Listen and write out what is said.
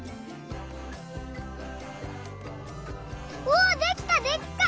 おおできた！でっか！